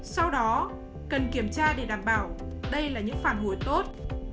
sau đó cần kiểm tra để đảm bảo đây là những phản hồi tốt